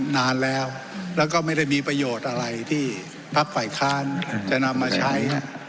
นานแล้วแล้วก็ไม่ได้มีประโยชน์อะไรที่พักฝ่ายค้านจะนำมาใช้